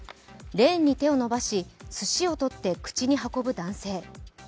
レーンに手を伸ばしすしを取って口に運ぶ男性。